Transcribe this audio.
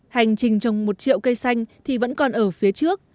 hành trình trồng một triệu cây xanh thì vẫn còn ở phía trước